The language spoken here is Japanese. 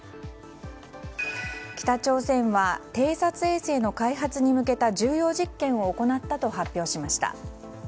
北朝鮮は偵察衛星の開発に向けた重要実験を行ったと発表しました。